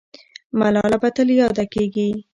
ملاله به تل یاده کېږي.